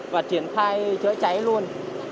và triển thai chữa cháy luôn